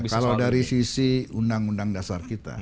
kalau dari sisi undang undang dasar kita